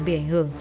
bị ảnh hưởng